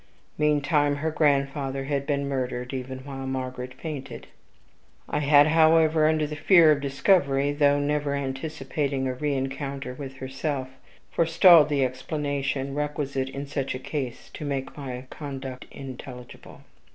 Meantime her grandfather had been murdered, even while Margaret fainted. I had, however, under the fear of discovery, though never anticipating a reencounter with herself, forestalled the explanation requisite in such a case to make my conduct intelligible.